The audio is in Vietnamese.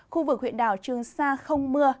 khu vực huyện đảo trường sa không mưa